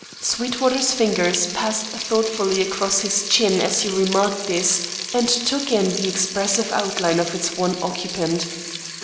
Sweetwater's fingers passed thoughtfully across his chin as he remarked this and took in the expressive outline of its one occupant.